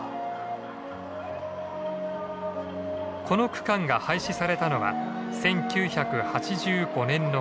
この区間が廃止されたのは１９８５年のこと。